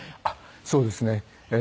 あっそうですね。